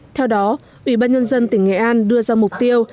theo đó ủy ban nhân dân tỉnh nghệ an đưa ra mục tiêu